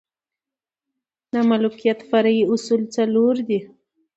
د ملوکیت فرعي اصول څلور دي.